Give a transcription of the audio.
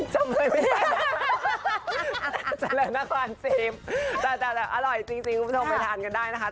จำเลยไม่ได้แต่แบบอร่อยจริงคุณผู้ชมไปทานกันได้นะคะ